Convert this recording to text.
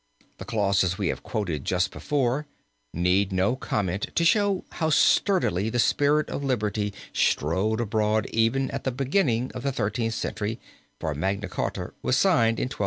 The clauses we have quoted just before, need no comment to show how sturdily the spirit of liberty strode abroad even at the beginning of the Thirteenth Century, for Magna Charta was signed in 1215.